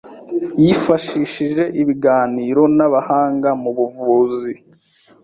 yifashishije ibiganiro n'abahanga mu buvuzi